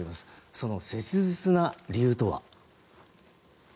その切実な理由とは。